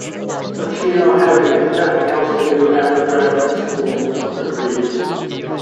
Macchio, having "nothing else to do after graduate school," agreed.